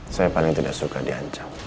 saya paling tidak suka diancam